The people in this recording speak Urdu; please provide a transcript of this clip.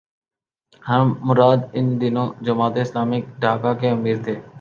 خرم مراد ان دنوں جماعت اسلامی ڈھاکہ کے امیر تھے۔